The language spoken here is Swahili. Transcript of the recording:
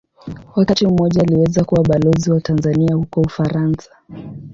Wakati mmoja aliweza kuwa Balozi wa Tanzania huko Ufaransa.